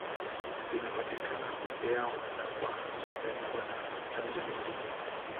Zinapatikana peke yao na kwa mchanganyiko na chanjo nyingine.